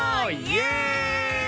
イエイ！